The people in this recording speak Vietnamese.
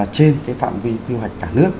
trên cái phạm vi quy hoạch cả nước